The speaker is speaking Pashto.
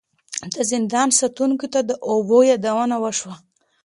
د زندان ساتونکي ته د اوبو یادونه وشوه.